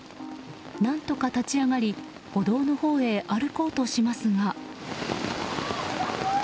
何とか立ち上がり歩道のほうへ歩こうとしますが。